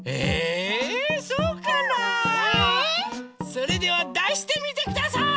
それではだしてみてください！